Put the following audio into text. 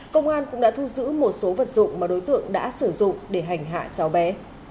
công an cũng đã thu giữ một số vật dụng mà đối tượng đã sử dụng để hành hạ cháu bé